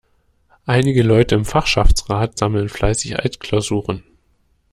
Einige Leute im Fachschaftsrat sammeln fleißig Altklausuren.